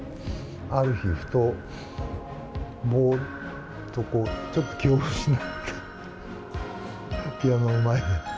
ある日、ふと、もう、ちょっと気を失って、ピアノの前で。